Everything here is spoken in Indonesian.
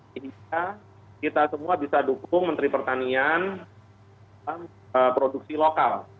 jadi kita semua bisa dukung menteri pertanian produksi lokal